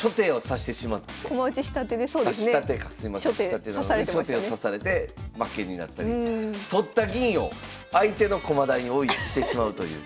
下手なのに初手を指されて負けになったり取った銀を相手の駒台に置いてしまうという。